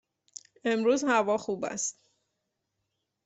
امروز هوا خوب است.